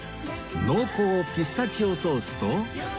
濃厚ピスタチオソースと